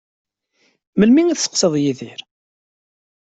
Melmi i tesseqsaḍ Yidir?